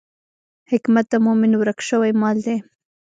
حکمت د مومن ورک شوی مال دی.